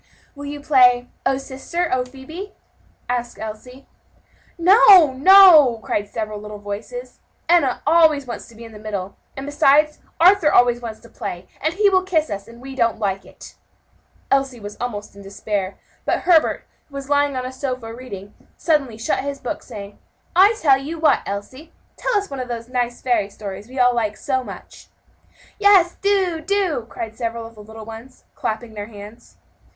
"Will you play 'O sister, O Phebe?'" asked Elsie. "No, no!" cried several little voices, "Enna always wants to be in the middle; and besides, Arthur always wants to play, and he will kiss us; and we don't like it." Elsie was almost in despair; but Herbert, who was lying on a sofa, reading, suddenly shut his book, saying, "I tell you what, Elsie! tell us one of those nice fairy stories we all like so much!" "Yes, do, do!" cried several of the little ones, clapping their hands.